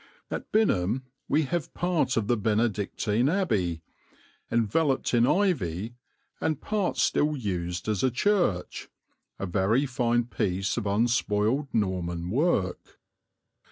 At Binham we have part of the Benedictine abbey, enveloped in ivy and part still used as a church, a very fine piece of unspoiled Norman work.